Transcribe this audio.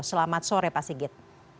selamat sore pak sigit